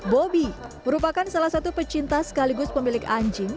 bobi merupakan salah satu pecinta sekaligus pemilik anjing